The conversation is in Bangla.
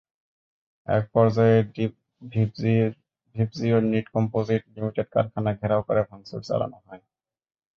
একপর্যায়ে ভিবজিওর নিট কম্পোজিট লিমিটেড কারখানা ঘেরাও করে ভাঙচুর চালানো হয়।